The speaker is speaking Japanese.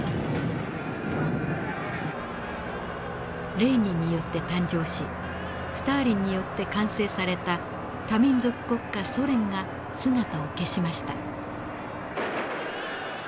レーニンによって誕生しスターリンによって完成された多民族国家ソ連が姿を消しました。